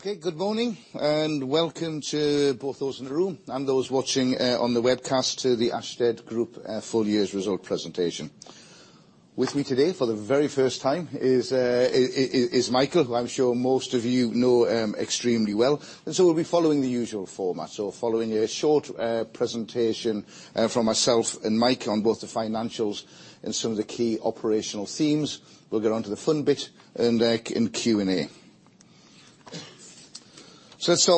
Good morning, and welcome to both those in the room and those watching on the webcast to the Ashtead Group full year result presentation. With me today for the very first time is Michael, who I'm sure most of you know extremely well. We'll be following the usual format. Following a short presentation from myself and Mike on both the financials and some of the key operational themes, we'll get on to the fun bit in Q&A. Let's start.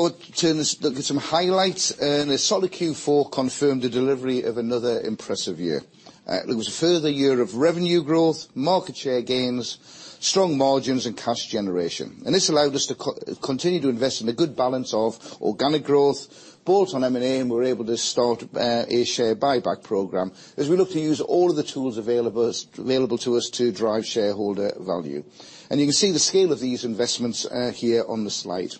Let's look at some highlights. A solid Q4 confirmed the delivery of another impressive year. It was a further year of revenue growth, market share gains, strong margins, and cash generation. This allowed us to continue to invest in a good balance of organic growth, bolt-on M&A, and we were able to start a share buyback program, as we look to use all of the tools available to us to drive shareholder value. You can see the scale of these investments here on the slide.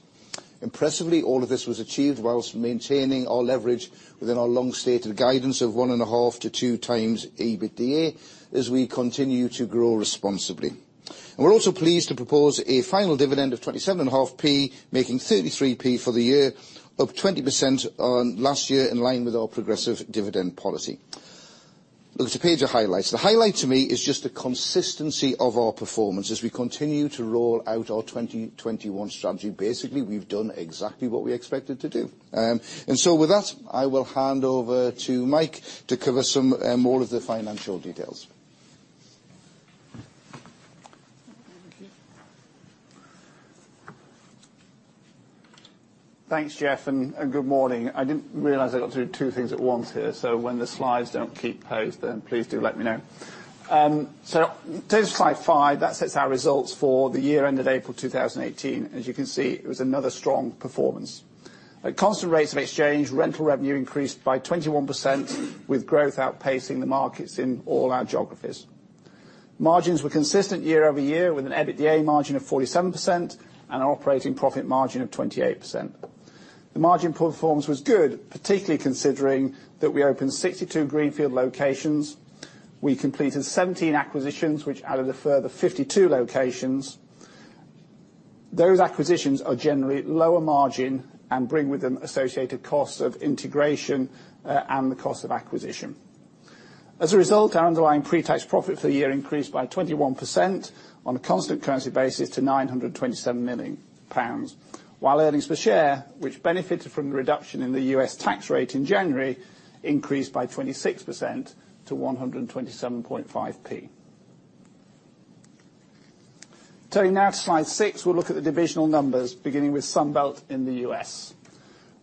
Impressively, all of this was achieved whilst maintaining our leverage within our long stated guidance of one and a half to two times EBITDA, as we continue to grow responsibly. We're also pleased to propose a final dividend of 0.275, making 0.33 for the year, up 20% on last year, in line with our progressive dividend policy. Look, it's a page of highlights. The highlight to me is just the consistency of our performance, as we continue to roll out our 2021 strategy. Basically, we've done exactly what we expected to do. With that, I will hand over to Mike to cover more of the financial details. Thanks, Geoff, and good morning. I didn't realize I got to do two things at once here, so when the slides don't keep pace, then please do let me know. Turning to slide five, that sets out results for the year ended April 2018. As you can see, it was another strong performance. At constant rates of exchange, rental revenue increased by 21%, with growth outpacing the markets in all our geographies. Margins were consistent year-over-year, with an EBITDA margin of 47% and an operating profit margin of 28%. The margin performance was good, particularly considering that we opened 62 greenfield locations. We completed 17 acquisitions, which added a further 52 locations. Those acquisitions are generally lower margin and bring with them associated costs of integration and the cost of acquisition. As a result, our underlying pre-tax profit for the year increased by 21% on a constant currency basis to 927 million pounds, while earnings per share, which benefited from the reduction in the U.S. tax rate in January, increased by 26% to 1.275. Turning now to slide six, we'll look at the divisional numbers, beginning with Sunbelt in the U.S.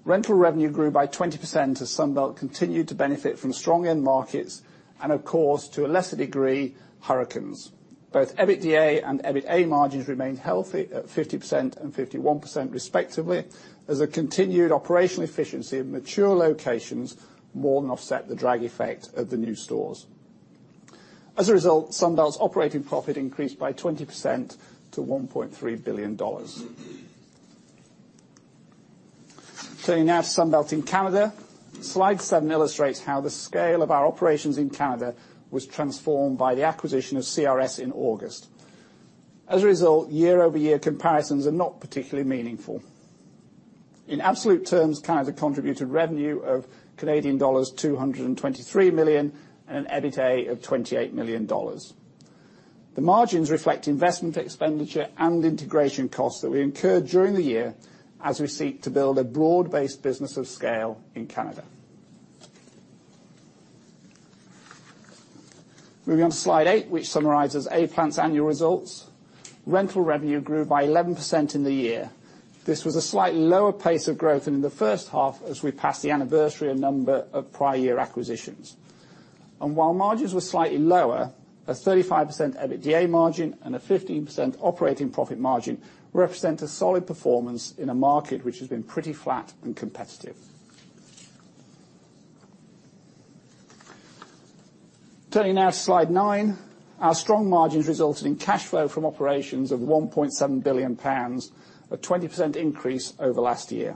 Rental revenue grew by 20% as Sunbelt continued to benefit from strong end markets and, of course, to a lesser degree, hurricanes. Both EBITDA and EBITA margins remained healthy at 50% and 31% respectively, as a continued operational efficiency of mature locations more than offset the drag effect of the new stores. As a result, Sunbelt's operating profit increased by 20% to $1.3 billion. Turning now to Sunbelt in Canada. Slide seven illustrates how the scale of our operations in Canada was transformed by the acquisition of CRS in August. As a result, year-over-year comparisons are not particularly meaningful. In absolute terms, Canada contributed revenue of Canadian dollars 223 million and an EBITA of 28 million dollars. The margins reflect investment expenditure and integration costs that we incurred during the year as we seek to build a broad-based business of scale in Canada. Moving on to slide eight, which summarizes A-Plant's annual results. Rental revenue grew by 11% in the year. This was a slightly lower pace of growth than in the first half as we passed the anniversary of number of prior year acquisitions. While margins were slightly lower, a 35% EBITDA margin and a 15% operating profit margin represent a solid performance in a market which has been pretty flat and competitive. Turning now to slide nine. Our strong margins resulted in cash flow from operations of 1.7 billion pounds, a 20% increase over last year.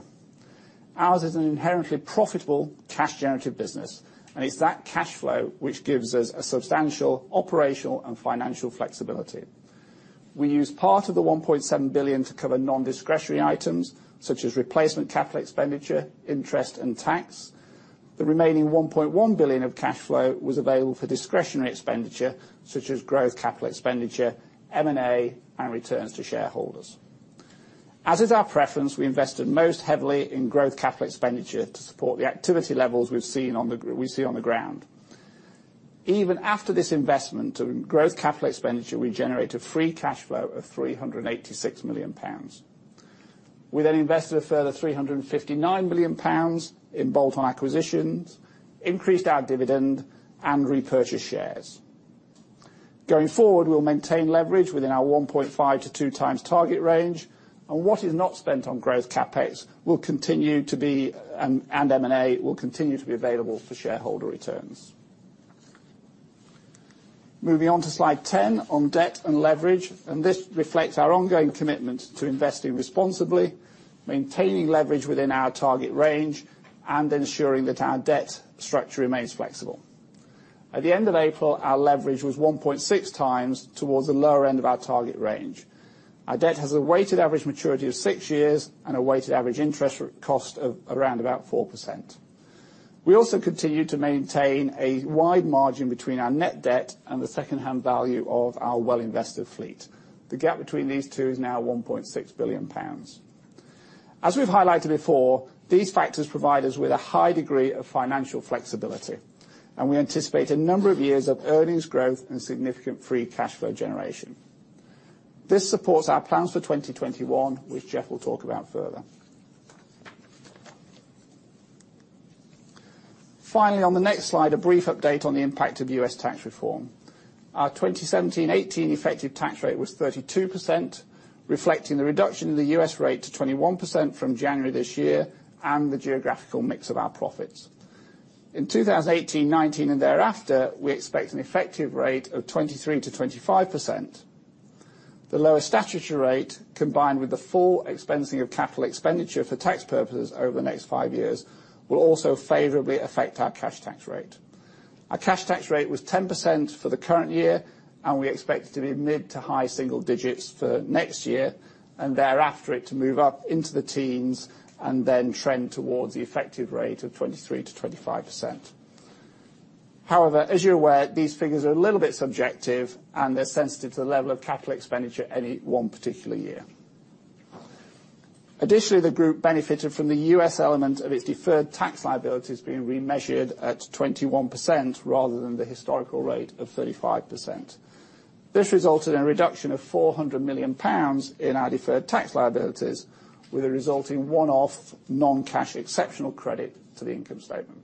Ours is an inherently profitable cash generative business. It's that cash flow which gives us a substantial operational and financial flexibility. We used part of the 1.7 billion to cover non-discretionary items, such as replacement capital expenditure, interest, and tax. The remaining 1.1 billion of cash flow was available for discretionary expenditure, such as growth capital expenditure, M&A, and returns to shareholders. As is our preference, we invested most heavily in growth capital expenditure to support the activity levels we see on the ground. Even after this investment in growth capital expenditure, we generated free cash flow of 386 million pounds. We then invested a further 359 million pounds in bolt-on acquisitions, increased our dividend, and repurchased shares. Going forward, we'll maintain leverage within our 1.5 to 2 times target range. What is not spent on growth CapEx and M&A will continue to be available for shareholder returns. Moving on to slide 10 on debt and leverage. This reflects our ongoing commitment to investing responsibly, maintaining leverage within our target range, and ensuring that our debt structure remains flexible. At the end of April, our leverage was 1.6 times towards the lower end of our target range. Our debt has a weighted average maturity of six years and a weighted average interest cost of around about 4%. We also continue to maintain a wide margin between our net debt and the secondhand value of our well-invested fleet. The gap between these two is now 1.6 billion pounds. As we've highlighted before, these factors provide us with a high degree of financial flexibility. We anticipate a number of years of earnings growth and significant free cash flow generation. This supports our plans for 2021, which Geoff will talk about further. Finally, on the next slide, a brief update on the impact of U.S. tax reform. Our 2017-2018 effective tax rate was 32%, reflecting the reduction in the U.S. rate to 21% from January this year, and the geographical mix of our profits. In 2018-2019 and thereafter, we expect an effective rate of 23%-25%. The lower statutory rate, combined with the full expensing of capital expenditure for tax purposes over the next five years, will also favorably affect our cash tax rate. Our cash tax rate was 10% for the current year, and we expect it to be mid to high single digits for next year, and thereafter it to move up into the teens and then trend towards the effective rate of 23%-25%. However, as you're aware, these figures are a little bit subjective, and they're sensitive to the level of capital expenditure any one particular year. Additionally, the group benefited from the U.S. element of its deferred tax liabilities being remeasured at 21%, rather than the historical rate of 35%. This resulted in a reduction of 400 million pounds in our deferred tax liabilities, with a resulting one-off non-cash exceptional credit to the income statement.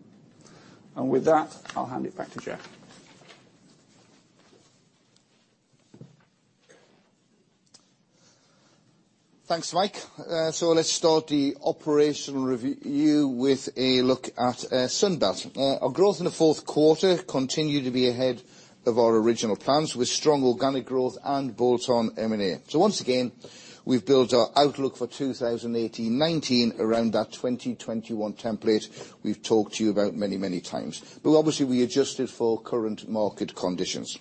With that, I'll hand it back to Geoff. Thanks, Mike. Let's start the operational review with a look at Sunbelt. Our growth in the fourth quarter continued to be ahead of our original plans, with strong organic growth and bolt-on M&A. Once again, we've built our outlook for 2018-2019 around that 2021 template we've talked to you about many, many times. Obviously, we adjust it for current market conditions.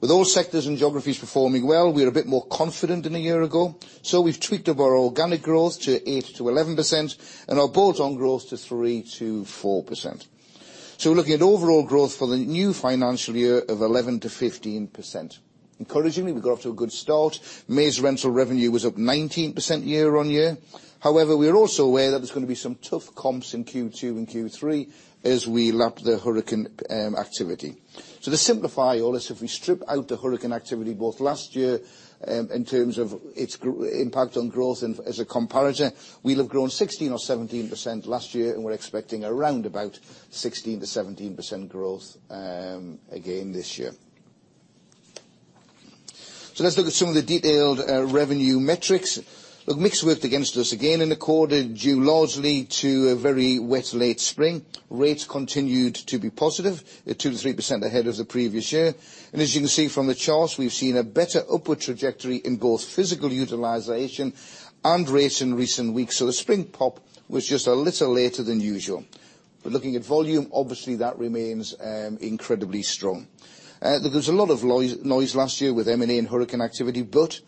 With all sectors and geographies performing well, we are a bit more confident than a year ago, we've tweaked up our organic growth to 8%-11%, and our bolt-on growth to 3%-4%. We're looking at overall growth for the new financial year of 11%-15%. Encouragingly, we got off to a good start. May's rental revenue was up 19% year-over-year. However, we are also aware that there's going to be some tough comps in Q2 and Q3 as we lap the hurricane activity. To simplify all this, if we strip out the hurricane activity both last year, in terms of its impact on growth and as a comparator, we'll have grown 16% or 17% last year, and we're expecting around about 16%-17% growth again this year. Let's look at some of the detailed revenue metrics. Look, mixed weather against us again in the quarter, due largely to a very wet late spring. Rates continued to be positive, at 2%-3% ahead of the previous year. As you can see from the charts, we've seen a better upward trajectory in both physical utilization and rates in recent weeks. The spring pop was just a little later than usual. Looking at volume, obviously that remains incredibly strong. Look, there was a lot of noise last year with M&A and hurricane activity, but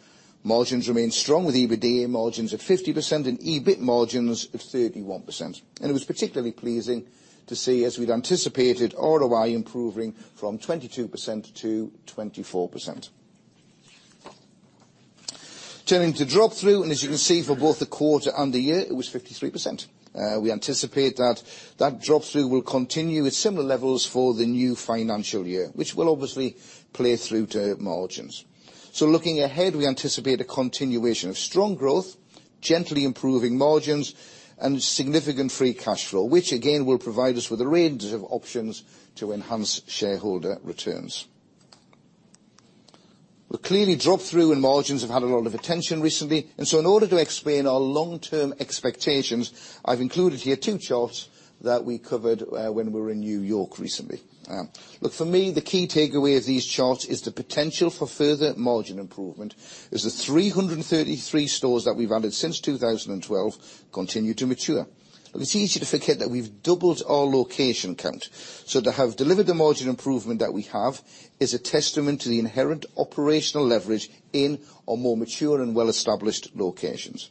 margins remained strong, with EBITDA margins at 50% and EBIT margins of 31%. It was particularly pleasing to see, as we'd anticipated, ROI improving from 22%-24%. Turning to drop-through, as you can see, for both the quarter and the year, it was 53%. We anticipate that that drop-through will continue at similar levels for the new financial year, which will obviously play through to margins. Looking ahead, we anticipate a continuation of strong growth, gently improving margins, and significant free cash flow, which again, will provide us with a range of options to enhance shareholder returns. Well, clearly drop-through and margins have had a lot of attention recently, in order to explain our long-term expectations, I've included here two charts that we covered when we were in New York recently. Look, for me, the key takeaway of these charts is the potential for further margin improvement as the 333 stores that we've added since 2012 continue to mature. Look, it's easy to forget that we've doubled our location count. To have delivered the margin improvement that we have is a testament to the inherent operational leverage in our more mature and well-established locations.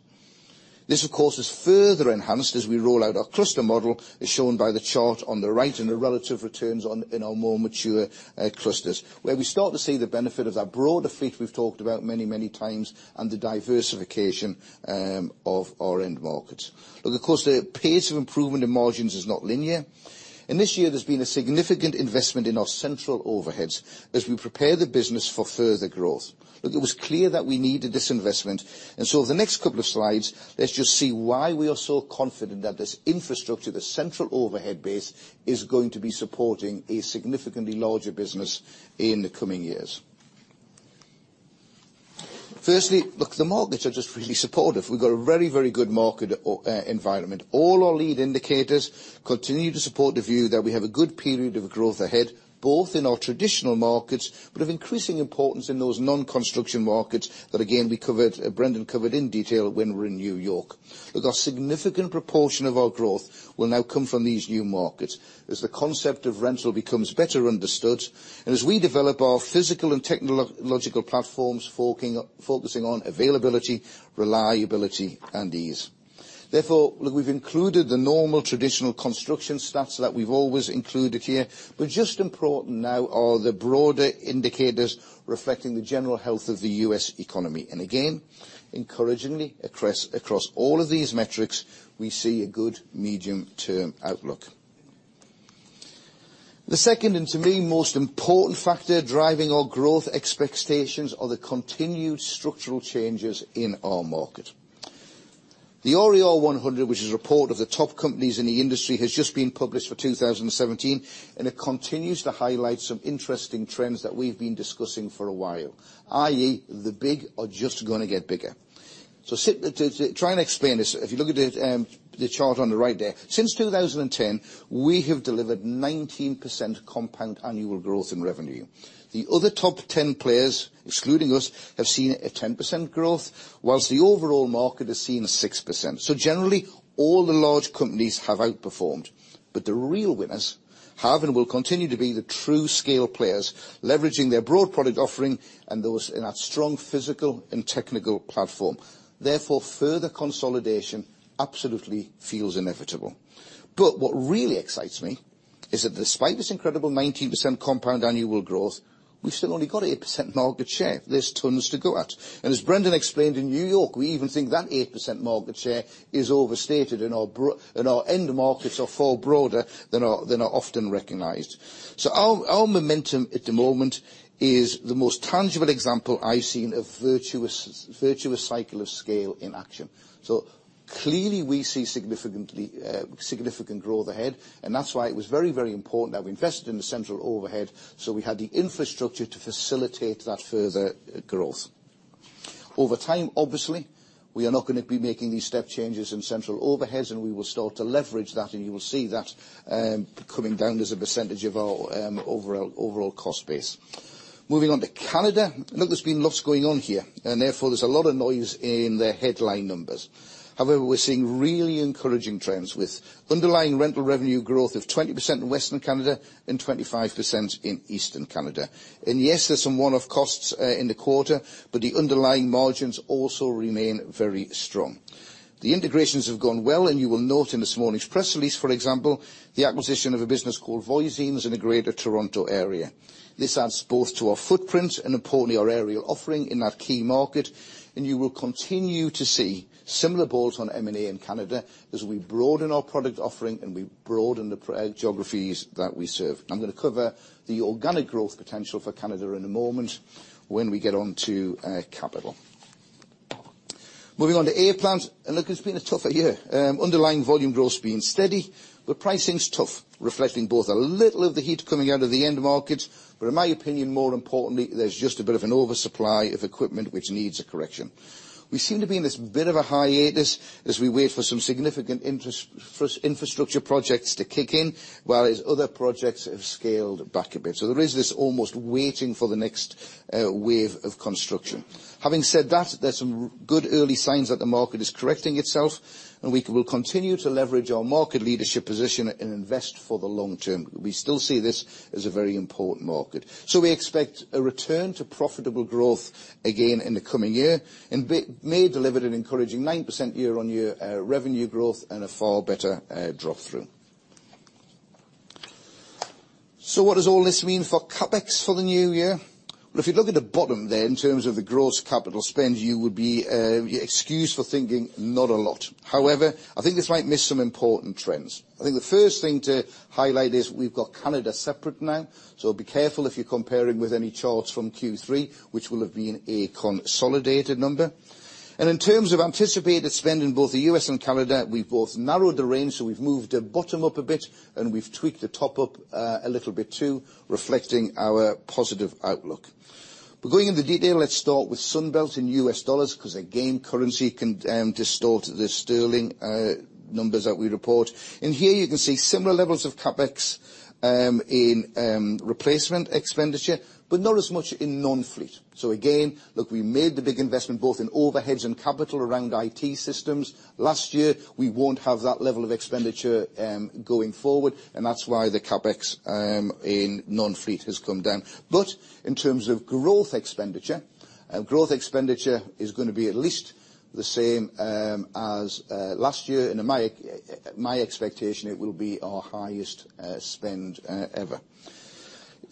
This, of course, is further enhanced as we roll out our cluster model, as shown by the chart on the right in the relative returns in our more mature clusters, where we start to see the benefit of that broader fleet we've talked about many, many times and the diversification of our end markets. Look, of course, the pace of improvement in margins is not linear. In this year, there's been a significant investment in our central overheads as we prepare the business for further growth. Look, it was clear that we needed this investment, over the next couple of slides, let's just see why we are so confident that this infrastructure, the central overhead base, is going to be supporting a significantly larger business in the coming years. Firstly, look, the markets are just really supportive. We've got a very good market environment. All our lead indicators continue to support the view that we have a good period of growth ahead, both in our traditional markets, but of increasing importance in those non-construction markets that again, Brendan covered in detail when we were in New York. Look, a significant proportion of our growth will now come from these new markets, as the concept of rental becomes better understood, and as we develop our physical and technological platforms, focusing on availability, reliability, and ease. Therefore, look, we've included the normal traditional construction stats that we've always included here, but just important now are the broader indicators reflecting the general health of the U.S. economy. Again, encouragingly, across all of these metrics, we see a good medium-term outlook. The second, and to me, most important factor driving our growth expectations are the continued structural changes in our market. The RER 100, which is a report of the top companies in the industry, has just been published for 2017, and it continues to highlight some interesting trends that we've been discussing for a while, i.e., the big are just going to get bigger. Trying to explain this, if you look at the chart on the right there, since 2010, we have delivered 19% compound annual growth in revenue. The other top 10 players, excluding us, have seen a 10% growth, whilst the overall market has seen 6%. Generally, all the large companies have outperformed. The real winners have and will continue to be the true scale players, leveraging their broad product offering and those in that strong physical and technical platform. Therefore, further consolidation absolutely feels inevitable. What really excites me is that despite this incredible 19% compound annual growth, we've still only got 8% market share. There's tons to go at. As Brendan explained in N.Y., we even think that 8% market share is overstated, and our end markets are far broader than are often recognized. Our momentum at the moment is the most tangible example I've seen of virtuous cycle of scale in action. Clearly, we see significant growth ahead, and that's why it was very important that we invested in the central overhead, so we had the infrastructure to facilitate that further growth. Over time, obviously, we are not going to be making these step changes in central overheads, and we will start to leverage that, and you will see that coming down as a percentage of our overall cost base. Moving on to Canada. Look, there's been lots going on here, and therefore there's a lot of noise in their headline numbers. However, we're seeing really encouraging trends with underlying rental revenue growth of 20% in western Canada and 25% in eastern Canada. Yes, there's some one-off costs in the quarter, but the underlying margins also remain very strong. The integrations have gone well, and you will note in this morning's press release, for example, the acquisition of a business called Voisin's in the Greater Toronto Area. This adds both to our footprint and importantly, our aerial offering in that key market, and you will continue to see similar bolts on M&A in Canada as we broaden our product offering and we broaden the geographies that we serve. I'm going to cover the organic growth potential for Canada in a moment when we get onto capital. Moving on to A-Plant. Look, it's been a tougher year. Underlying volume growth's been steady, but pricing's tough, reflecting both a little of the heat coming out of the end markets, but in my opinion, more importantly, there's just a bit of an oversupply of equipment which needs a correction. We seem to be in this bit of a hiatus as we wait for some significant infrastructure projects to kick in, whereas other projects have scaled back a bit. There is this almost waiting for the next wave of construction. Having said that, there's some good early signs that the market is correcting itself, and we will continue to leverage our market leadership position and invest for the long term. We still see this as a very important market. We expect a return to profitable growth again in the coming year, and May delivered an encouraging 9% year-on-year revenue growth and a far better drop-through. What does all this mean for CapEx for the new year? Well, if you look at the bottom there in terms of the gross capital spend, you would be excused for thinking not a lot. However, I think this might miss some important trends. I think the first thing to highlight is we've got Canada separate now. Be careful if you're comparing with any charts from Q3, which will have been a consolidated number. In terms of anticipated spend in both the U.S. and Canada, we've both narrowed the range, so we've moved the bottom up a bit and we've tweaked the top up a little bit too, reflecting our positive outlook. Going into detail, let's start with Sunbelt in U.S. dollars because again, currency can distort the sterling numbers that we report. Here you can see similar levels of CapEx in replacement expenditure, but not as much in Non-fleet. Again, look, we made the big investment both in overheads and capital around IT systems last year. We won't have that level of expenditure going forward, and that's why the CapEx in Non-fleet has come down. In terms of growth expenditure, growth expenditure is going to be at least the same as last year. My expectation, it will be our highest spend ever.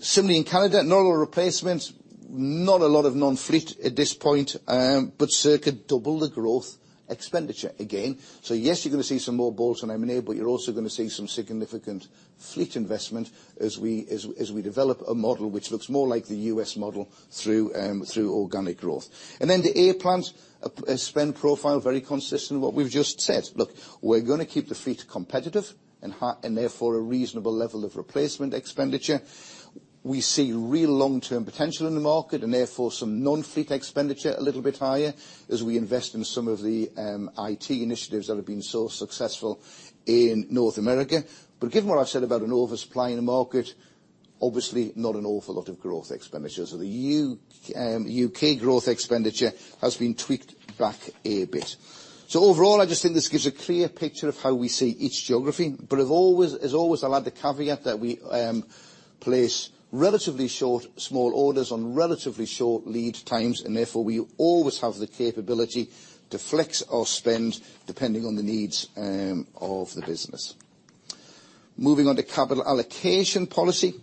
Similarly, in Canada, normal replacements, not a lot of Non-fleet at this point but circa double the growth expenditure again. Yes, you're going to see some more bolts on M&A, but you're also going to see some significant fleet investment as we develop a model which looks more like the U.S. model through organic growth. Then the A-Plant spend profile, very consistent with what we've just said. Look, we're going to keep the fleet competitive and therefore a reasonable level of replacement expenditure. We see real long-term potential in the market, and therefore some Non-fleet expenditure a little bit higher as we invest in some of the IT initiatives that have been so successful in North America. Given what I've said about an oversupply in the market, obviously not an awful lot of growth expenditures. The U.K. growth expenditure has been tweaked back a bit. Overall, I just think this gives a clear picture of how we see each geography, but as always, I'll add the caveat that we place relatively short, small orders on relatively short lead times, and therefore, we always have the capability to flex our spend depending on the needs of the business. Moving on to capital allocation policy,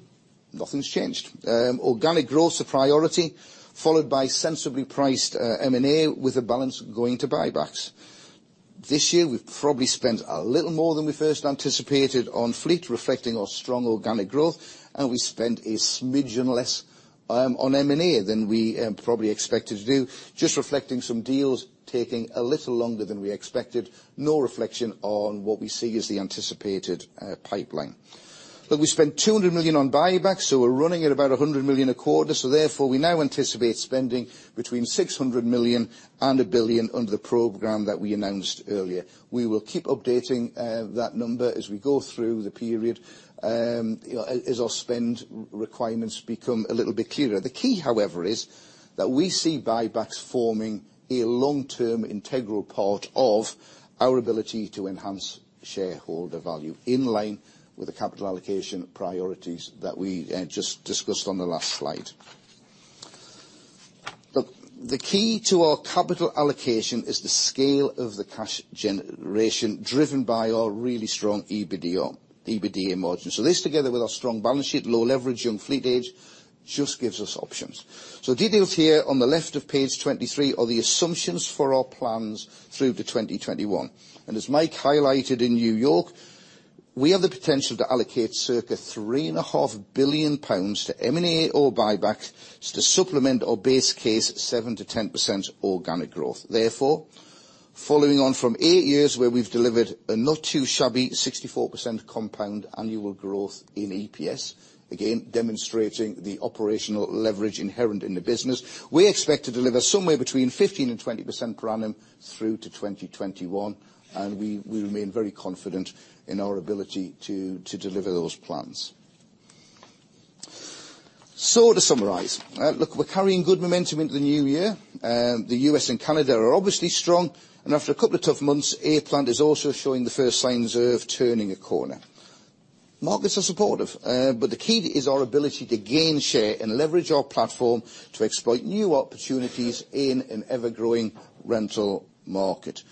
nothing's changed. Organic growth's a priority, followed by sensibly priced M&A, with the balance going to buybacks. This year, we've probably spent a little more than we first anticipated on fleet, reflecting our strong organic growth, and we spent a smidgen less on M&A than we probably expected to do. Just reflecting some deals taking a little longer than we expected, no reflection on what we see as the anticipated pipeline. We spent 200 million on buybacks, so we're running at about 100 million a quarter. Therefore, we now anticipate spending between 600 million and 1 billion under the program that we announced earlier. We will keep updating that number as we go through the period, as our spend requirements become a little bit clearer. The key, however, is that we see buybacks forming a long-term, integral part of our ability to enhance shareholder value in line with the capital allocation priorities that we just discussed on the last slide. Look, the key to our capital allocation is the scale of the cash generation, driven by our really strong EBITDA margins. This, together with our strong balance sheet, low leverage on fleet age, just gives us options. Details here on the left of page 23 are the assumptions for our plans through to 2021. As Mike highlighted in New York, we have the potential to allocate circa 3.5 billion pounds to M&A or buybacks to supplement our base case 7%-10% organic growth. Therefore, following on from eight years where we've delivered a not-too-shabby 64% compound annual growth in EPS, again, demonstrating the operational leverage inherent in the business, we expect to deliver somewhere between 15% and 20% per annum through to 2021. We remain very confident in our ability to deliver those plans. To summarize, look, we're carrying good momentum into the new year. The U.S. and Canada are obviously strong, and after a couple of tough months, A-Plant is also showing the first signs of turning a corner. Markets are supportive, but the key is our ability to gain share and leverage our platform to exploit new opportunities in an ever-growing rental market.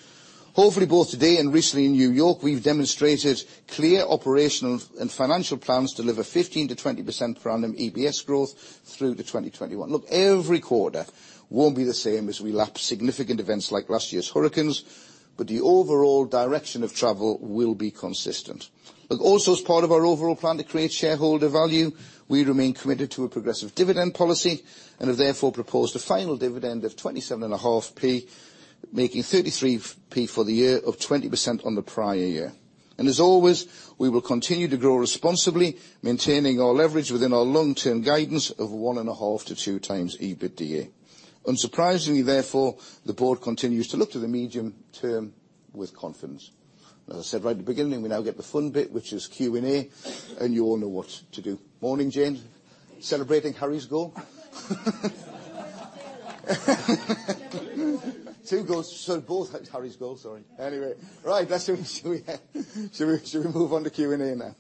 Hopefully, both today and recently in New York, we've demonstrated clear operational and financial plans to deliver 15%-20% per annum EPS growth through to 2021. Look, every quarter won't be the same as we lap significant events like last year's hurricanes, but the overall direction of travel will be consistent. Look, also as part of our overall plan to create shareholder value, we remain committed to a progressive dividend policy and have therefore proposed a final dividend of 0.275, making 0.33 for the year of 20% on the prior year. As always, we will continue to grow responsibly, maintaining our leverage within our long-term guidance of one and a half to 2 times EBITDA. Unsurprisingly, therefore, the board continues to look to the medium term with confidence. As I said right at the beginning, we now get the fun bit, which is Q&A, and you all know what to do. Morning, Jane. Celebrating Harry's goal? Two goals, so both Harry's goals, sorry. Anyway. Right. Shall we move on to Q&A now?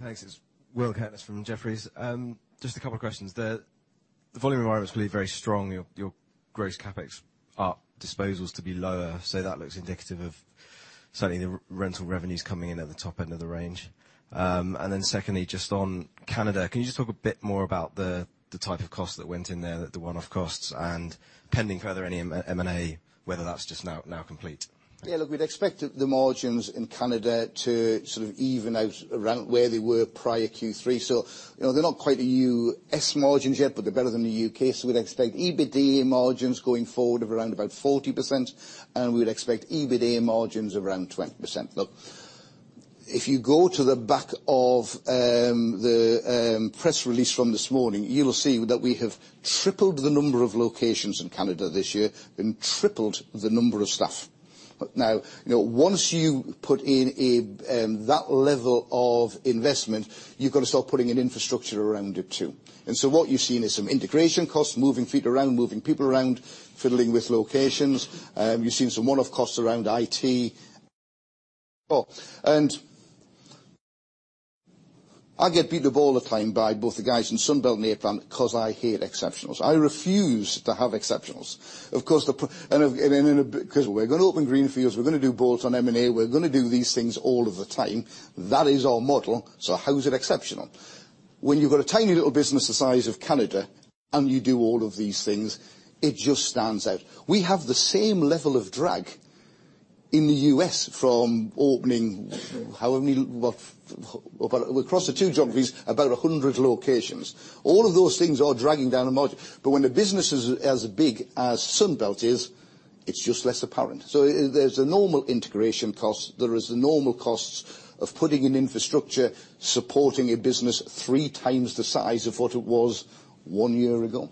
Morning. Thanks. It's Will Kirkness from Jefferies. A couple of questions there. The volume environment is really very strong. Your gross CapEx are disposals to be lower, that looks indicative of certainly the rental revenues coming in at the top end of the range. Secondly, on Canada, can you talk a bit more about the type of cost that went in there, the one-off costs, and pending further, any M&A, whether that's now complete? We'd expect the margins in Canada to even out around where they were prior Q3. They're not quite the U.S. margins yet, but they're better than the U.K. We'd expect EBITDA margins going forward of around about 40%, and we'd expect EBITA margins around 20%. If you go to the back of the press release from this morning, you will see that we have tripled the number of locations in Canada this year and tripled the number of staff. Once you put in that level of investment, you've got to start putting an infrastructure around it, too. What you've seen is some integration costs, moving fleet around, moving people around, fiddling with locations. You've seen some one-off costs around IT. I get beat up all the time by both the guys in Sunbelt and A-Plant because I hate exceptionals. I refuse to have exceptionals. We're going to open greenfields, we're going to do bolt-on M&A, we're going to do these things all of the time. That is our model. How is it exceptional? When you've got a tiny little business the size of Canada and you do all of these things, it just stands out. We have the same level of drag in the U.S. from opening, however many across the two geographies, about 100 locations. All of those things are dragging down the margin. When the business is as big as Sunbelt is, it's less apparent. There's the normal integration costs, there is the normal costs of putting an infrastructure, supporting a business three times the size of what it was one year ago.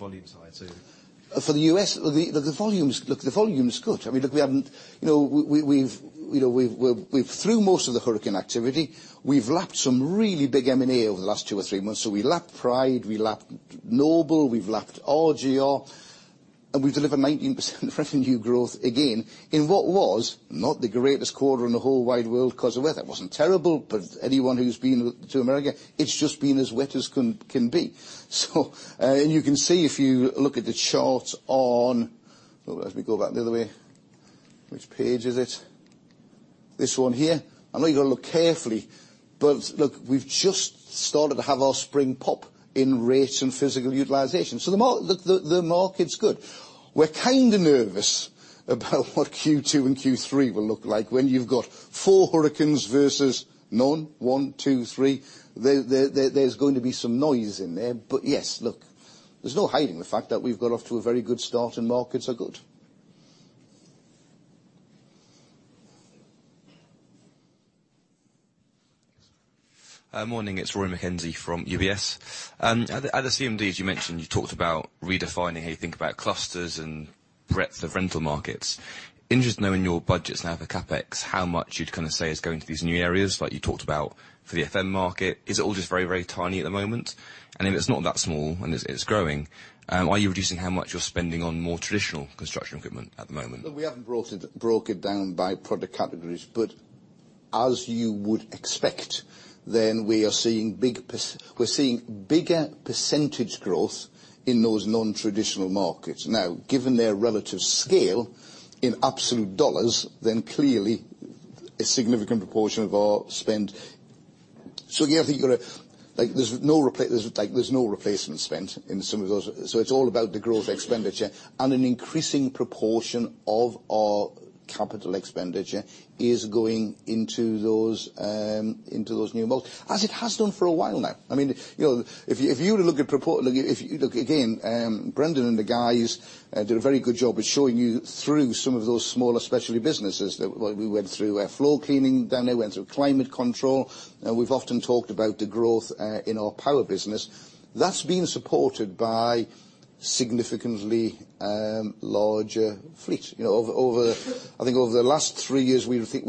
On the volume side, so For the U.S., look, the volume is good. Look, we're through most of the hurricane activity. We've lapped some really big M&A over the last two or three months. We lapped Pride, we lapped Noble, we've lapped RGR, and we've delivered 19% revenue growth again, in what was not the greatest quarter in the whole wide world because of weather. It wasn't terrible, but anyone who's been to America, it's just been as wet as can be. You can see if you look at the charts on. As we go back the other way. Which page is it? This one here. I know you've got to look carefully, but look, we've just started to have our spring pop in rates and physical utilization. The market's good. We're kind of nervous about what Q2 and Q3 will look like when you've got four hurricanes versus none. One, two, three. There's going to be some noise in there. Yes, look, there's no hiding the fact that we've got off to a very good start and markets are good. Yes. Morning, it's Rory McKenzie from UBS. At the CMD, as you mentioned, you talked about redefining how you think about clusters and breadth of rental markets. Interested knowing your budgets now for CapEx, how much you'd say is going to these new areas like you talked about for the FM market. Is it all just very tiny at the moment? If it's not that small and it's growing, are you reducing how much you're spending on more traditional construction equipment at the moment? Look, we haven't broke it down by product categories, but as you would expect, then we're seeing bigger percentage growth in those non-traditional markets. Now, given their relative scale in absolute U.S. dollars, then clearly a significant proportion of our spend. There's no replacement spend in some of those, so it's all about the growth expenditure and an increasing proportion of our capital expenditure is going into those new models. As it has done for a while now. If you were to look at report, if you look again, Brendan and the guys did a very good job of showing you through some of those smaller specialty businesses. We went through floor cleaning down there, went through climate control, and we've often talked about the growth in our Power business. That's been supported by significantly larger fleet. I think over the last three years, we think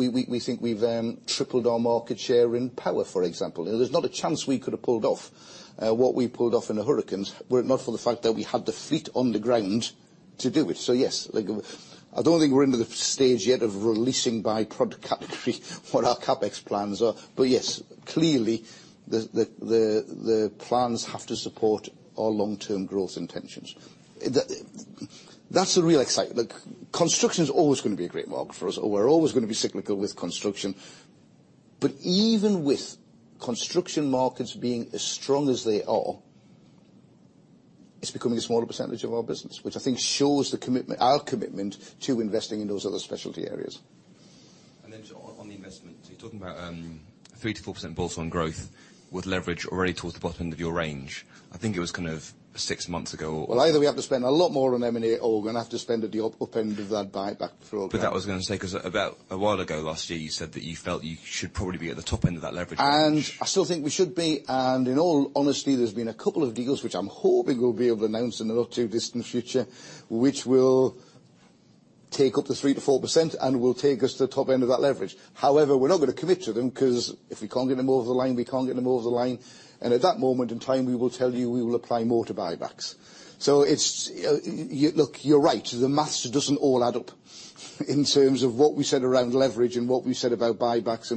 we've then tripled our market share in Power, for example. There's not a chance we could have pulled off what we pulled off in the hurricanes, were it not for the fact that we had the fleet on the ground to do it. Yes. Look, I don't think we're into the stage yet of releasing by product category what our CapEx plans are. Yes, clearly the plans have to support our long-term growth intentions. That's the real excitement. Look, construction's always going to be a great market for us, or we're always going to be cyclical with construction. Even with construction markets being as strong as they are, it's becoming a smaller percentage of our business, which I think shows our commitment to investing in those other specialty areas. Just on the investment. You're talking about 3%-4% bolt-on growth with leverage already towards the bottom end of your range. I think it was six months ago. Well, either we have to spend a lot more on M&A, or we're going to have to spend at the up end of that buyback program. That was going to say, because a while ago, last year, you said that you felt you should probably be at the top end of that leverage range. I still think we should be. In all honesty, there's been a couple of deals which I'm hoping we'll be able to announce in the not too distant future, which will take up the 3%-4% and will take us to the top end of that leverage. However, we're not going to commit to them, because if we can't get them over the line, we can't get them over the line. At that moment in time, we will tell you we will apply more to buybacks. Look, you're right. The maths doesn't all add up in terms of what we said around leverage and what we said about buybacks.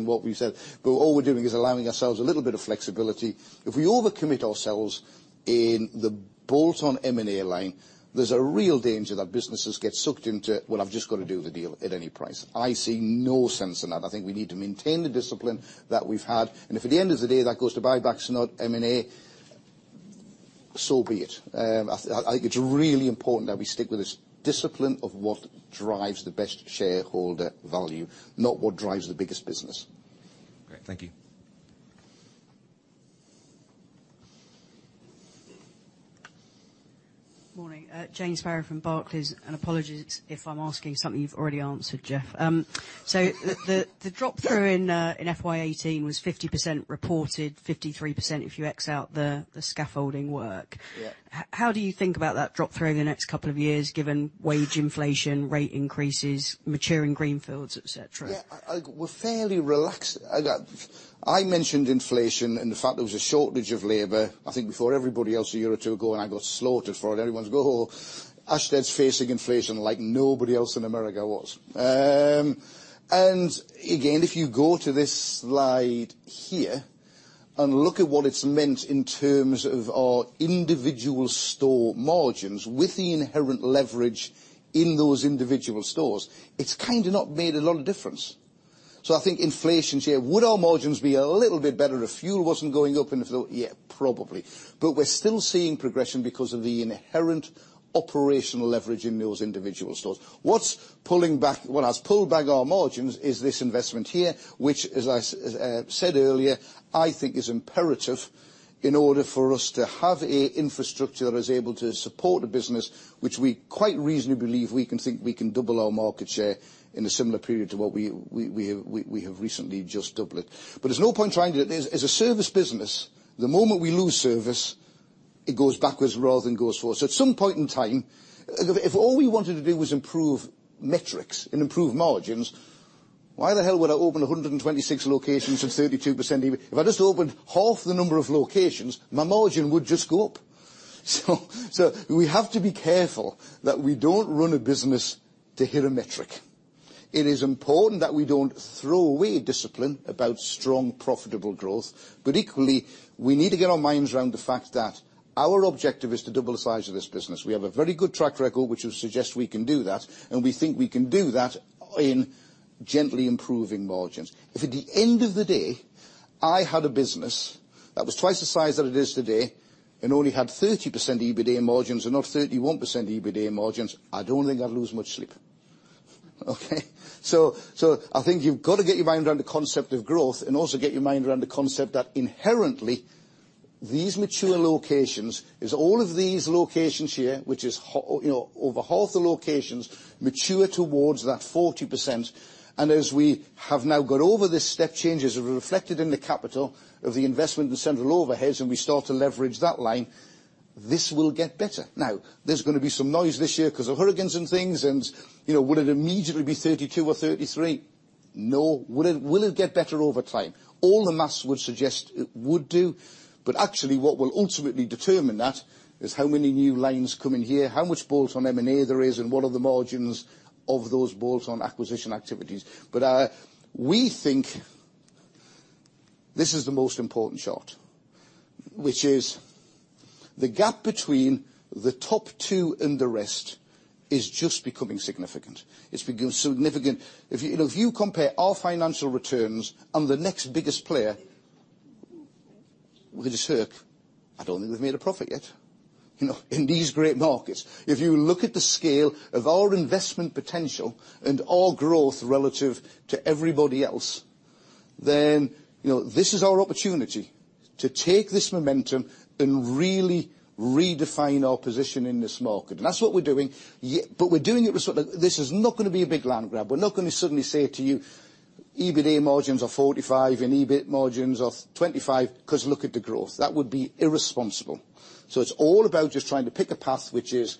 All we're doing is allowing ourselves a little bit of flexibility. If we overcommit ourselves in the bolt-on M&A line, there's a real danger that businesses get sucked into, "Well, I've just got to do the deal at any price." I see no sense in that. I think we need to maintain the discipline that we've had. If at the end of the day that goes to buybacks, not M&A, so be it. I think it's really important that we stick with this discipline of what drives the best shareholder value, not what drives the biggest business. Great. Thank you. Morning. Jane Sparrow from Barclays. Apologies if I'm asking something you've already answered, Geoff. The drop-through in FY 2018 was 50% reported, 53% if you X out the scaffolding work. Yeah. How do you think about that drop-through in the next couple of years, given wage inflation, rate increases, maturing greenfields, et cetera? Yeah. We're fairly relaxed. I mentioned inflation and the fact there was a shortage of labor, I think before everybody else a year or two ago, I got slaughtered for it. Everyone's go, "Ashtead's facing inflation like nobody else in the U.S. was." Again, if you go to this slide here and look at what it's meant in terms of our individual store margins with the inherent leverage in those individual stores, it's kind of not made a lot of difference. I think inflation's here. Would our margins be a little bit better if fuel wasn't going up? Yeah, probably. We're still seeing progression because of the inherent operational leverage in those individual stores. What has pulled back our margins is this investment here, which, as I said earlier, I think is imperative in order for us to have an infrastructure that is able to support a business, which we quite reasonably believe we can think we can double our market share in a similar period to what we have recently just doubled it. There's no point trying to. As a service business, the moment we lose service, it goes backwards rather than goes forward. At some point in time, if all we wanted to do was improve metrics and improve margins, why the hell would I open 126 locations at 32%? If I just opened half the number of locations, my margin would just go up. We have to be careful that we don't run a business to hit a metric. It is important that we don't throw away discipline about strong, profitable growth. Equally, we need to get our minds around the fact that our objective is to double the size of this business. We have a very good track record, which would suggest we can do that, and we think we can do that in gently improving margins. If at the end of the day, I had a business that was twice the size that it is today and only had 30% EBITDA margins and not 31% EBITDA margins, I don't think I'd lose much sleep. Okay? I think you've got to get your mind around the concept of growth and also get your mind around the concept that inherently these mature locations, as all of these locations here, which is over half the locations mature towards that 40%. As we have now got over this step change, as reflected in the capital of the investment in central overheads, we start to leverage that line, this will get better. There's going to be some noise this year because of hurricanes and things, will it immediately be 32 or 33? No. Will it get better over time? All the maths would suggest it would do. What will ultimately determine that is how many new lanes come in here, how much bolt-on M&A there is, and what are the margins of those bolt-on acquisition activities. We think this is the most important shot, which is the gap between the top two and the rest is just becoming significant. If you compare our financial returns and the next biggest player, which is Herc, I don't think they've made a profit yet in these great markets. If you look at the scale of our investment potential and our growth relative to everybody else, this is our opportunity to take this momentum and really redefine our position in this market. That's what we're doing. We're doing it with sort of, this is not going to be a big land grab. We're not going to suddenly say to you, "EBITDA margins are 45 and EBIT margins are 25, because look at the growth." That would be irresponsible. It's all about just trying to pick a path which is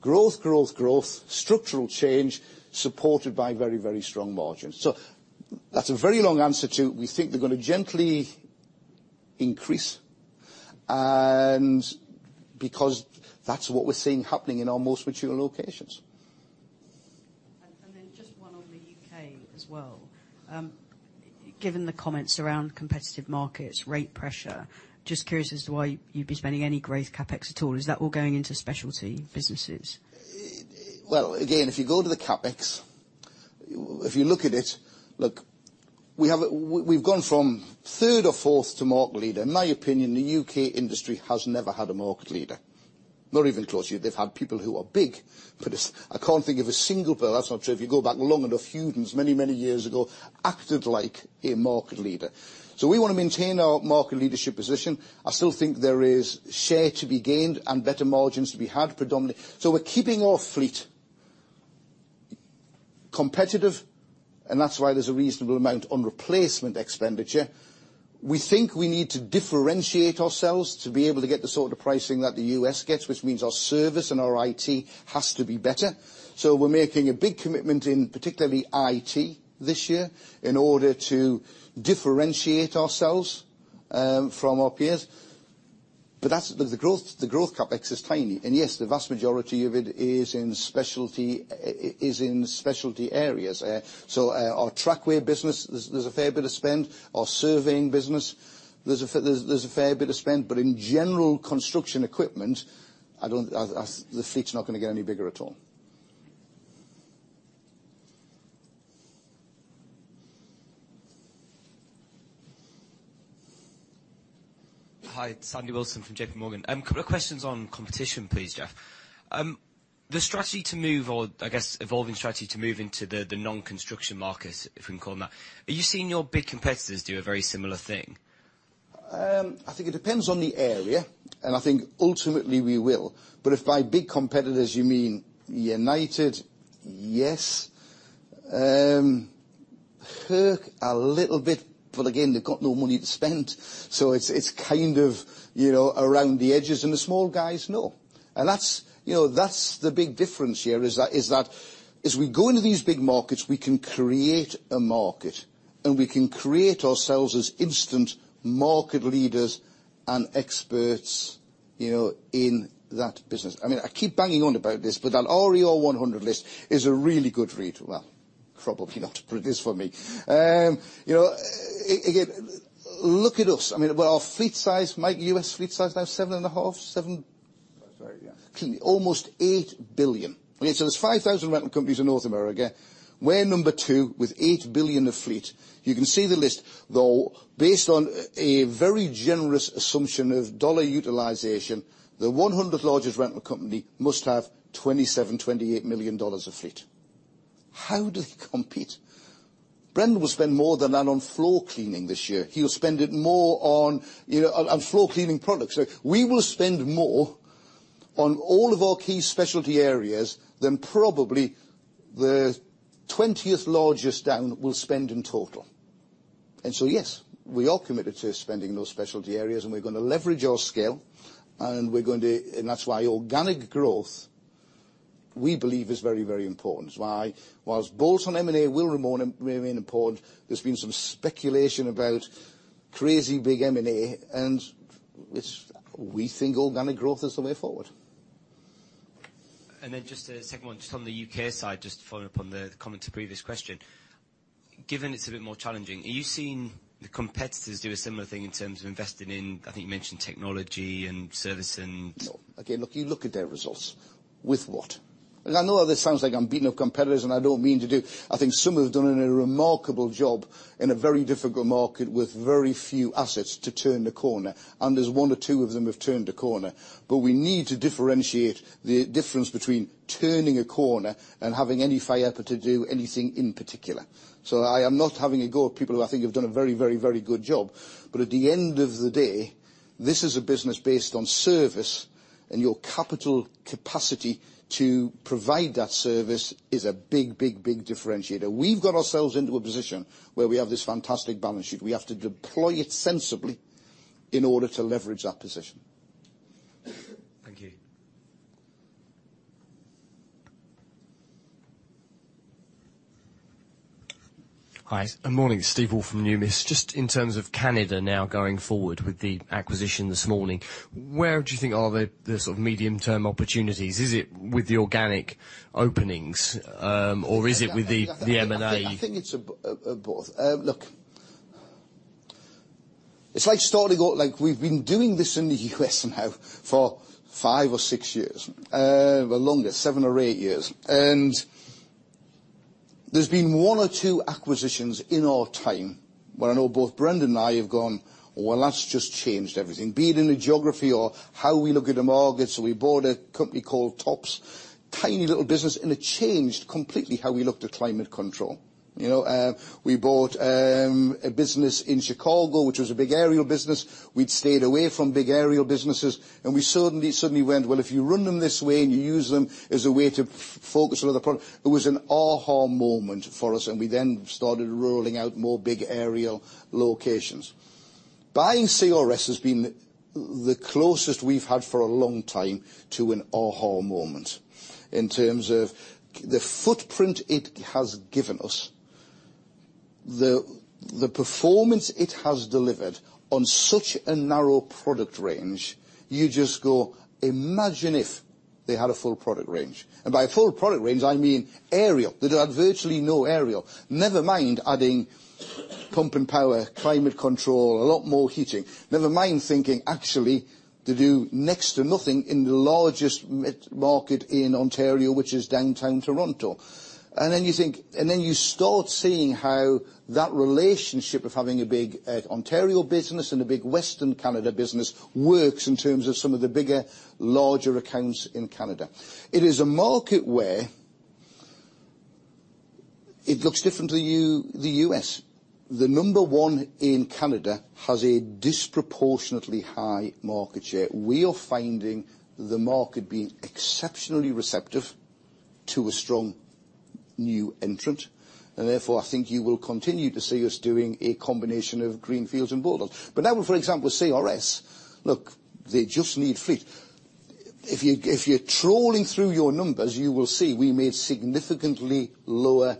growth, growth, structural change, supported by very strong margins. That's a very long answer to, we think they're going to gently increase, because that's what we're seeing happening in our most mature locations. Just one on the U.K. as well. Given the comments around competitive markets, rate pressure, just curious as to why you'd be spending any growth CapEx at all. Is that all going into specialty businesses? Again, if you go to the CapEx, if you look at it, we've gone from third or fourth to market leader. In my opinion, the U.K. industry has never had a market leader. Not even closely. They've had people who are big, I can't think of a single, that's not true. If you go back long enough, Hewden's many years ago acted like a market leader. We want to maintain our market leadership position. I still think there is share to be gained and better margins to be had, predominantly. We're keeping our fleet competitive, and that's why there's a reasonable amount on replacement expenditure. We think we need to differentiate ourselves to be able to get the sort of pricing that the U.S. gets, which means our service and our IT has to be better. We're making a big commitment in particularly IT this year in order to differentiate ourselves from our peers. The growth CapEx is tiny. Yes, the vast majority of it is in specialty areas. Our Trakway business, there's a fair bit of spend. Our surveying business, there's a fair bit of spend. In general construction equipment, the fleet's not going to get any bigger at all. Hi, it's Andy Wilson from JPMorgan. A couple of questions on competition, please, Geoff. The strategy to move or, I guess, evolving strategy to move into the non-construction markets, if we can call them that, are you seeing your big competitors do a very similar thing? I think it depends on the area, and I think ultimately we will. If by big competitors you mean United, yes. Herc, a little bit. Again, they've got no money to spend, so it's kind of around the edges. The small guys, no. That's the big difference here, is that as we go into these big markets, we can create a market, and we can create ourselves as instant market leaders and experts in that business. I keep banging on about this, but that RER 100 list is a really good read. Well, probably not, but it is for me. Again, look at us. Our fleet size, Mike, U.S. fleet size now is seven and a half? Seven Sorry, yeah. Almost $8 billion. There's 5,000 rental companies in North America. We're number 2 with $8 billion of fleet. You can see the list, though, based on a very generous assumption of dollar utilization, the 100 largest rental company must have $27 million-$28 million of fleet. How do they compete? Brendan will spend more than that on floor cleaning this year. He will spend it more on floor cleaning products. We will spend more on all of our key specialty areas than probably the 20th largest down will spend in total. Yes, we are committed to spending those specialty areas, and we're going to leverage our scale. That's why organic growth, we believe, is very, very important. Why? Whilst bolts on M&A will remain important, there's been some speculation about crazy big M&A, and we think organic growth is the way forward. Then just a second one. Just on the U.K. side, just to follow up on the comment to previous question. Given it's a bit more challenging, are you seeing the competitors do a similar thing in terms of investing in, I think you mentioned technology and service No. Look, you look at their results. With what? I know this sounds like I'm beating up competitors, and I don't mean to do. I think some have done a remarkable job in a very difficult market with very few assets to turn the corner, and there's one or two of them who have turned a corner. We need to differentiate the difference between turning a corner and having any firepower to do anything in particular. I am not having a go at people who I think have done a very good job. At the end of the day, this is a business based on service, and your capital capacity to provide that service is a big differentiator. We've got ourselves into a position where we have this fantastic balance sheet. We have to deploy it sensibly in order to leverage that position. Thank you. Hi. Morning. Steve Hall from Numis. Just in terms of Canada now going forward with the acquisition this morning, where do you think are the sort of medium-term opportunities? Is it with the organic openings? Is it with the M&A? I think it's both. Look, it's like starting we've been doing this in the U.S. now for five or six years. Well, longer, seven or eight years. There's been one or two acquisitions in our time where I know both Brendan and I have gone, "Well, that's just changed everything." Be it in the geography or how we look at a market. We bought a company called Tops. Tiny little business, and it changed completely how we looked at climate control. We bought a business in Chicago, which was a big aerial business. We'd stayed away from big aerial businesses, and we suddenly went, "Well, if you run them this way and you use them as a way to focus on other product" It was an aha moment for us, and we then started rolling out more big aerial locations. Buying CRS has been the closest we've had for a long time to an aha moment in terms of the footprint it has given us. The performance it has delivered on such a narrow product range, you just go, "Imagine if they had a full product range." By a full product range, I mean Aerial. They'd had virtually no Aerial, never mind adding Pump & Power, climate control, a lot more heating. Never mind thinking, actually, they do next to nothing in the largest market in Ontario, which is downtown Toronto. Then you start seeing how that relationship of having a big Ontario business and a big Western Canada business works in terms of some of the bigger, larger accounts in Canada. It is a market where it looks different to the U.S. The number one in Canada has a disproportionately high market share. We are finding the market being exceptionally receptive to a strong new entrant. Therefore, I think you will continue to see us doing a combination of greenfields and bolt-ons. Now, for example, CRS, look, they just need fleet. If you're trawling through your numbers, you will see we made significantly lower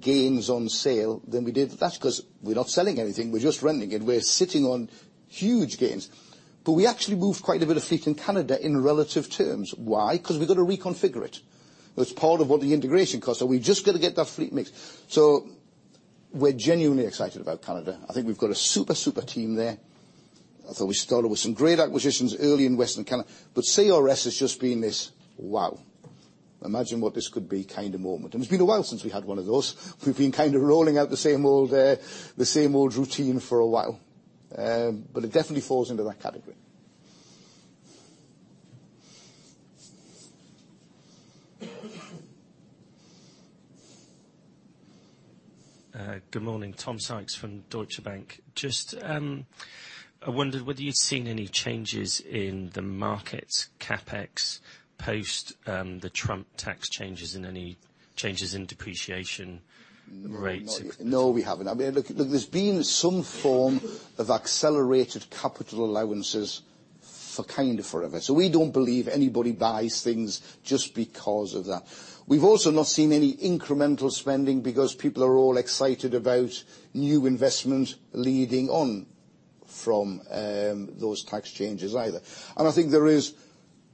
gains on sale than we did. That's because we're not selling anything. We're just renting it. We're sitting on huge gains. We actually moved quite a bit of fleet in Canada in relative terms. Why? Because we've got to reconfigure it. That's part of what the integration cost. We've just got to get that fleet mixed. We're genuinely excited about Canada. I think we've got a super team there. I thought we started with some great acquisitions early in Western Canada, CRS has just been this wow, imagine what this could be kind of moment. It's been a while since we had one of those. We've been kind of rolling out the same old routine for a while. It definitely falls into that category. Good morning. Tom Sykes from Deutsche Bank. Just, I wondered whether you'd seen any changes in the market's CapEx post the Trump tax changes and any changes in depreciation rates? No, we haven't. I mean, look, there's been some form of accelerated capital allowances for kind of forever. We don't believe anybody buys things just because of that. We've also not seen any incremental spending because people are all excited about new investment leading on from those tax changes either. I think there is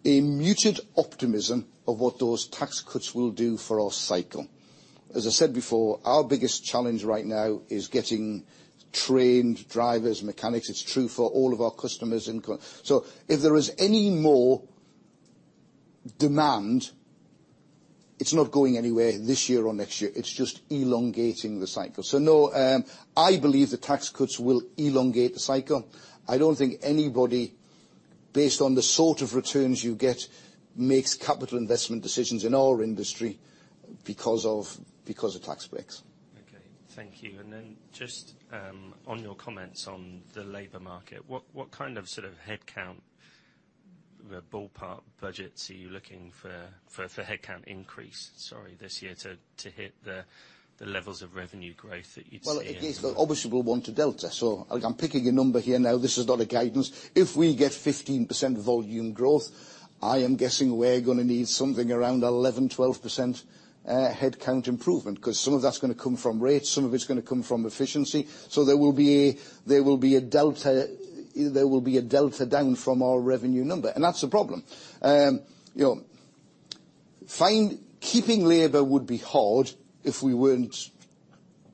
a muted optimism of what those tax cuts will do for our cycle. As I said before, our biggest challenge right now is getting trained drivers, mechanics. It's true for all of our customers in-- If there is any more demand, it's not going anywhere this year or next year. It's just elongating the cycle. No, I believe the tax cuts will elongate the cycle. I don't think anybody, based on the sort of returns you get, makes capital investment decisions in our industry because of tax breaks. Okay. Thank you. Then just on your comments on the labor market, what kind of sort of headcount, the ballpark budgets are you looking for headcount increase, sorry, this year to hit the levels of revenue growth that you'd see? Well, again, obviously we'll want a delta. Look, I'm picking a number here now. This is not a guidance. If we get 15% volume growth, I am guessing we're going to need something around 11%, 12% headcount improvement, because some of that's going to come from rates, some of it's going to come from efficiency. There will be a delta down from our revenue number, and that's the problem. Keeping labor would be hard if we weren't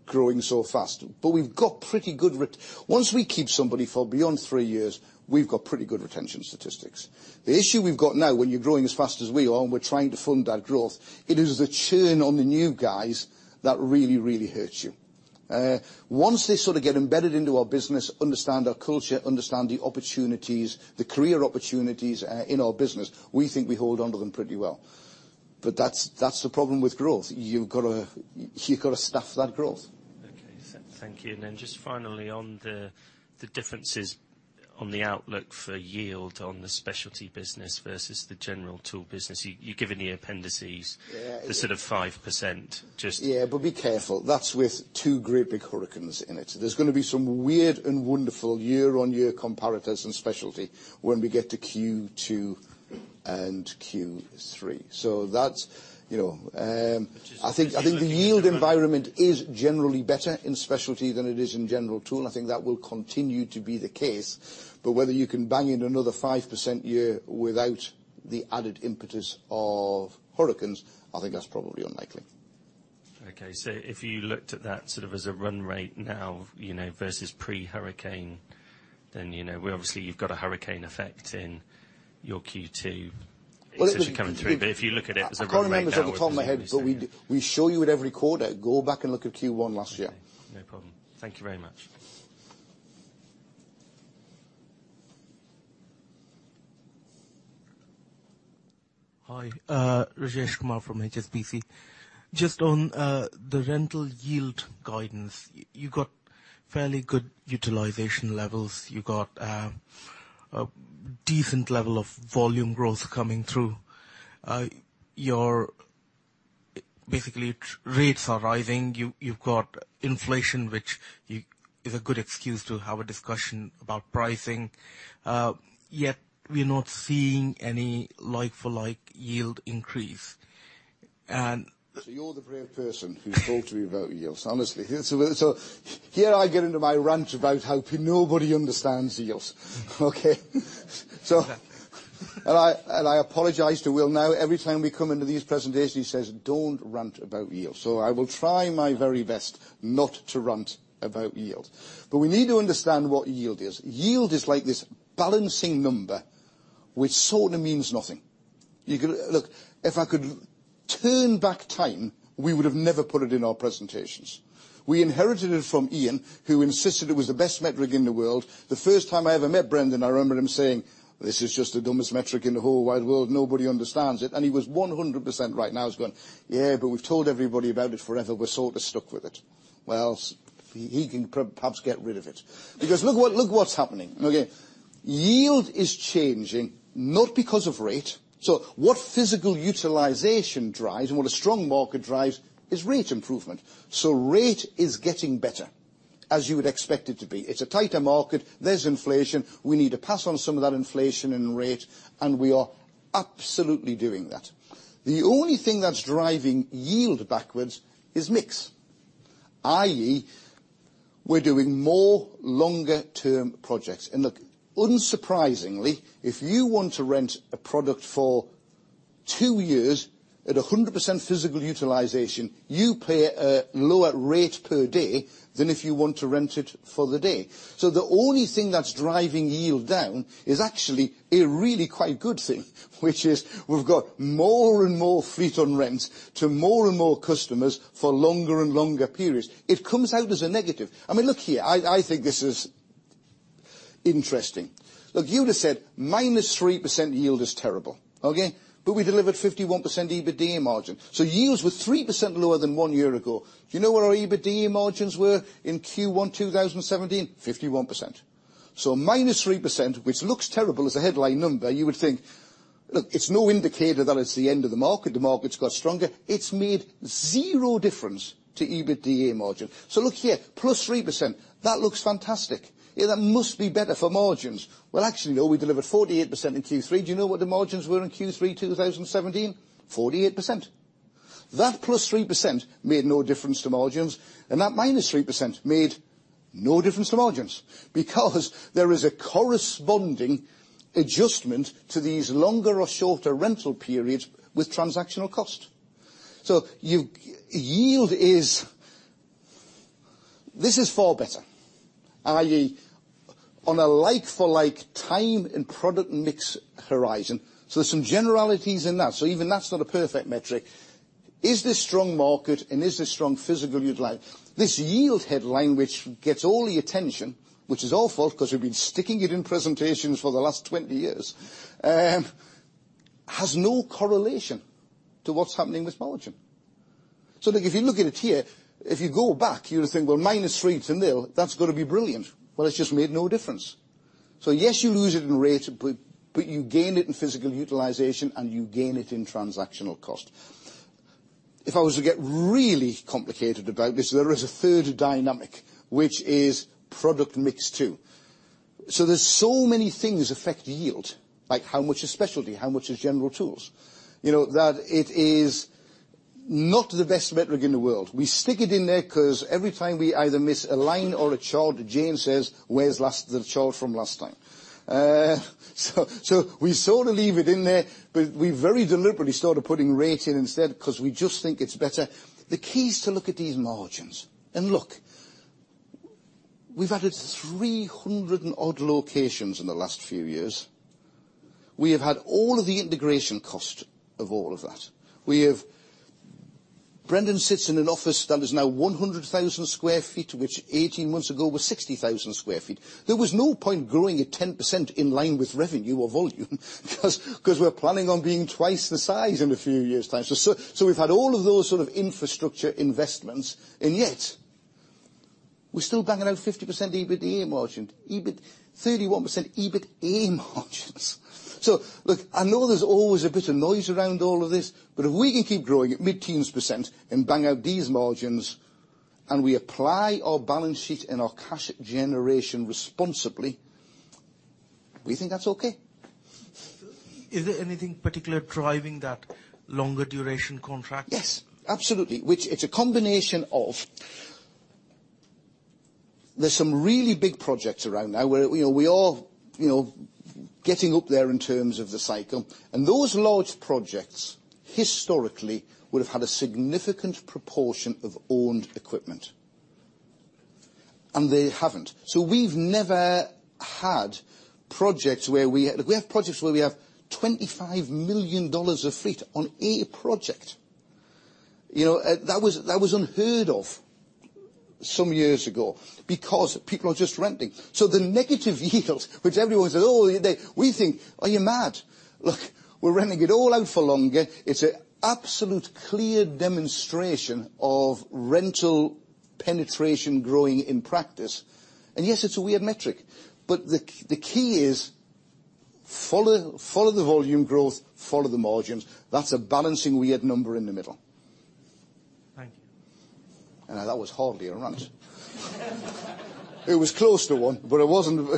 growing so fast. We've got pretty good Once we keep somebody for beyond three years, we've got pretty good retention statistics. The issue we've got now, when you're growing as fast as we are and we're trying to fund that growth, it is the churn on the new guys that really, really hurts you. Once they sort of get embedded into our business, understand our culture, understand the opportunities, the career opportunities, in our business, we think we hold onto them pretty well. That's the problem with growth. You've got to staff that growth. Okay. Thank you. Then just finally on the differences on the outlook for yield on the specialty business versus the General Tool business, you gave in the appendices. Yeah the sort of 5% Be careful. That's with two great big hurricanes in it. There's going to be some weird and wonderful year-over-year comparators in specialty when we get to Q2 and Q3. That's, you know. Just- I think the yield environment is generally better in specialty than it is in General Tool, and I think that will continue to be the case. Whether you can bang in another 5% year without the added impetus of hurricanes, I think that's probably unlikely. If you looked at that sort of as a run rate now, versus pre-hurricane, obviously you've got a hurricane effect in your Q2. Well. It's actually coming through. If you look at it as a run rate now. I can't remember this off the top of my head, but we show you it every quarter. Go back and look at Q1 last year. Okay. No problem. Thank you very much. Hi. Rajesh Kumar from HSBC. Just on the rental yield guidance, you've got fairly good utilization levels. You've got a decent level of volume growth coming through. Your basically rates are rising. You've got inflation, which is a good excuse to have a discussion about pricing. Yet we're not seeing any like-for-like yield increase. You're the brave person who talked to me about yields. Honestly. Here I get into my rant about how nobody understands yields. Okay? I apologize to Will now. Every time we come into these presentations, he says, "Don't rant about yield." I will try my very best not to rant about yield. We need to understand what yield is. Yield is like this balancing number which sort of means nothing. Look, if I could turn back time, we would have never put it in our presentations. We inherited it from Ian, who insisted it was the best metric in the world. The first time I ever met Brendan, I remember him saying, "This is just the dumbest metric in the whole wide world. Nobody understands it." He was 100% right. Now he's going, "Yeah, but we've told everybody about it forever. We're sort of stuck with it." Well, he can perhaps get rid of it. Because look what's happening. Okay? Yield is changing, not because of rate. What physical utilization drives and what a strong market drives is rate improvement. Rate is getting better, as you would expect it to be. It's a tighter market. There's inflation. We need to pass on some of that inflation and rate, and we are absolutely doing that. The only thing that's driving yield backwards is mix, i.e., we're doing more longer-term projects. Look, unsurprisingly, if you want to rent a product for two years at 100% physical utilization, you pay a lower rate per day than if you want to rent it for the day. The only thing that's driving yield down is actually a really quite good thing, which is we've got more and more fleet on rent to more and more customers for longer and longer periods. It comes out as a negative. I mean, look here, I think this is interesting. Look, you'd have said minus 3% yield is terrible. Okay? We delivered 51% EBITDA margin. Yields were 3% lower than one year ago. Do you know where our EBITDA margins were in Q1 2017? 51%. Minus 3%, which looks terrible as a headline number, you would think Look, it's no indicator that it's the end of the market. The market's got stronger. It's made zero difference to EBITDA margin. Look here, plus 3%. That looks fantastic. Yeah, that must be better for margins. Well, actually, no, we delivered 48% in Q3. Do you know what the margins were in Q3 2017? 48%. That plus 3% made no difference to margins, and that minus 3% made no difference to margins, because there is a corresponding adjustment to these longer or shorter rental periods with transactional cost. Yield is, this is far better, i.e., on a like-for-like time and product mix horizon. There's some generalities in that. Even that's not a perfect metric. Is this strong market and is this strong physical utilization? This yield headline, which gets all the attention, which is our fault because we've been sticking it in presentations for the last 20 years has no correlation to what's happening with margin. Look, if you look at it here, if you go back, you would think, minus 3 it's in there, that's got to be brilliant. It's just made no difference. Yes, you lose it in rate, but you gain it in physical utilization, and you gain it in transactional cost. If I was to get really complicated about this, there is a third dynamic, which is product mix too. There's so many things affect yield, like how much is specialty, how much is General Tools, that it is not the best metric in the world. We stick it in there because every time we either miss a line or a chart, James says, "Where's the chart from last time?" We sort of leave it in there, but we very deliberately started putting rate in instead because we just think it's better. The key is to look at these margins. Look, we've added 300 and odd locations in the last few years. We have had all of the integration cost of all of that. Brendan sits in an office that is now 100,000 square feet, which 18 months ago was 60,000 square feet. There was no point growing at 10% in line with revenue or volume because we're planning on being twice the size in a few years' time. We've had all of those sort of infrastructure investments, and yet we're still banging out 50% EBITDA margin, 31% EBITA margins. Look, I know there's always a bit of noise around all of this, but if we can keep growing at mid-teens % and bang out these margins, and we apply our balance sheet and our cash generation responsibly, we think that's okay. Is there anything particular driving that longer duration contracts? Yes, absolutely. It's a combination of there's some really big projects around now, where we are getting up there in terms of the cycle. Those large projects, historically, would have had a significant proportion of owned equipment. They haven't. We've never had projects. Look, we have projects where we have GBP 25 million of fleet on a project. That was unheard of some years ago because people are just renting. The negative yields, which everyone says, "Oh," we think, "Are you mad?" Look, we're renting it all out for longer. It's an absolute clear demonstration of rental penetration growing in practice. Yes, it's a weird metric, but the key is follow the volume growth, follow the margins. That's a balancing weird number in the middle. Thank you. That was hardly a rant. It was close to one, but it wasn't.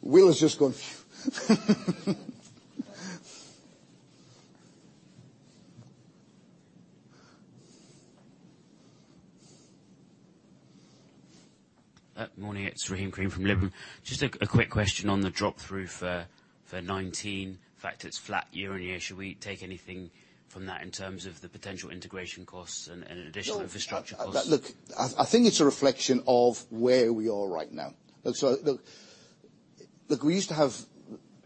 Will, has just gone phew. Morning, it's Rahim Karim from Liberum. Just a quick question on the drop-through for 2019. The fact it's flat year-on-year, should we take anything from that in terms of the potential integration costs and additional infrastructure costs? Look, I think it's a reflection of where we are right now. Look, we used to have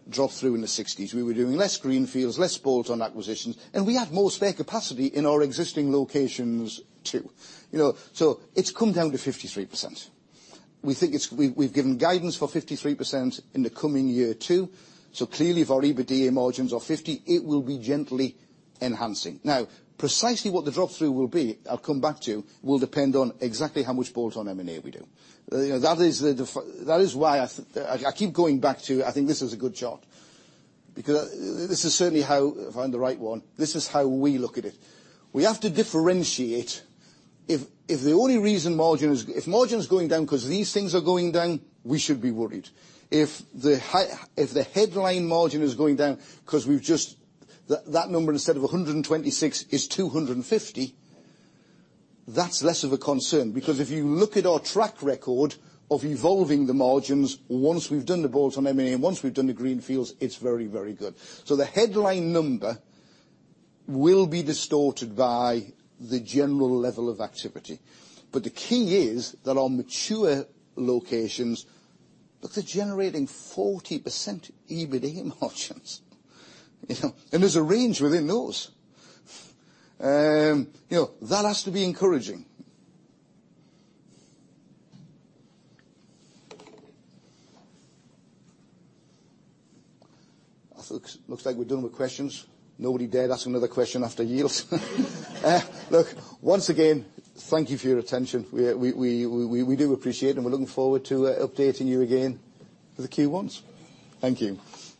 drop-through in the sixties. We were doing less greenfields, less bolt-on acquisitions, and we had more spare capacity in our existing locations, too. It's come down to 53%. We've given guidance for 53% in the coming year, too. Clearly, if our EBITDA margins are 50%, it will be gently enhancing. Now, precisely what the drop-through will be, I'll come back to, will depend on exactly how much bolt-on M&A we do. That is why I keep going back to, I think this is a good chart. This is certainly how, if I can find the right one, this is how we look at it. We have to differentiate. If margin's going down because these things are going down, we should be worried. If the headline margin is going down because that number, instead of 126, is 250, that's less of a concern. If you look at our track record of evolving the margins, once we've done the bolt-on M&A and once we've done the greenfields, it's very, very good. The headline number will be distorted by the general level of activity. The key is that our mature locations, look, they're generating 40% EBITA margins. There's a range within those. That has to be encouraging. Looks like we're done with questions. Nobody dare ask another question after yields. Look, once again, thank you for your attention. We do appreciate and we're looking forward to updating you again for the Q1s. Thank you